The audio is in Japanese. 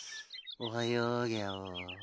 おはようギャオ。